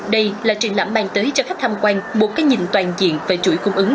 đây là triển lãm mang tới cho khách tham quan một cái nhìn toàn diện về chuỗi cung ứng